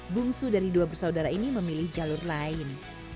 bungsu dari dua bersaudara ini memilih jalur lain